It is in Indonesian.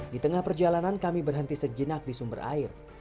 di tengah perjalanan kami berhenti sejenak di sumber air